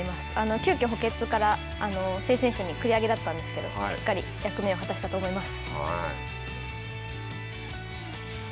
急きょ補欠から正選手に繰り上げだったんですけれども、しっかり役目を果たしたと思います。